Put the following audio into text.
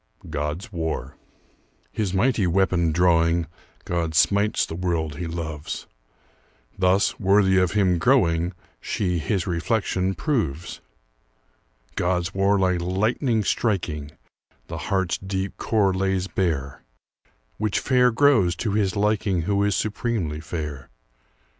GOD'S WAR His mighty weapon drawing, God smites the world he loves; Thus, worthy of him growing, She his reflection proves. God's war like lightning striking, The heart's deep core lays bare, Which fair grows to his liking Who is supremely fair.